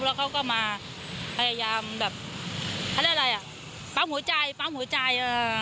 แล้วเขาก็มาพยายามแบบทำได้อะไรอ่ะปั้งหัวใจปั้งหัวใจ